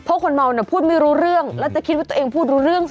เพราะคนเมาเนี่ยพูดไม่รู้เรื่องแล้วจะคิดว่าตัวเองพูดรู้เรื่อง